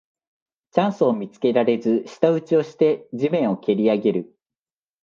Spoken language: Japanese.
チャンスを見つけられず舌打ちをして地面をけりあげる